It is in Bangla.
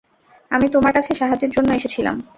আমি তোমার কাছে সাহায্যের জন্য এসেছিলাম।